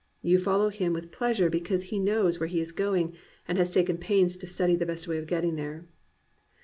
You fol low him with pleasure because he knows where he is going and has taken pains to study the best way of getting there.